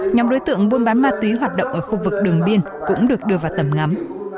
nhóm đối tượng buôn bán ma túy hoạt động ở khu vực đường biên cũng được đưa vào tầm ngắm